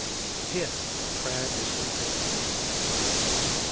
" Here the prayer is fulfilled.